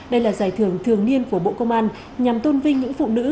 đây là giải thưởng thường niên của bộ công an nhằm tôn vinh những phụ nữ